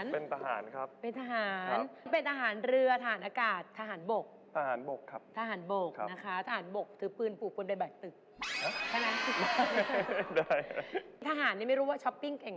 เป็นทหารเรือทหารอากาศทหารบก